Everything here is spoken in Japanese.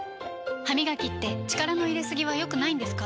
歯みがきって力の入れすぎは良くないんですか？